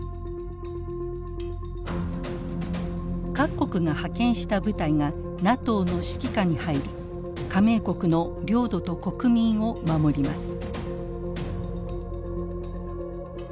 各国が派遣した部隊がＮＡＴＯの指揮下に入り加盟国の領土と国民を守ります。